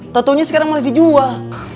tentunya sekarang mulai dijual